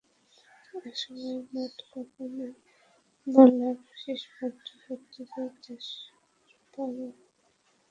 একসময়ের মাঠ কাঁপানো ফুটবলার আশীষ ভদ্র, সত্যজিৎ দাশ রুপুরা আবার মাঠে নামছেন।